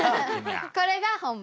これが本番。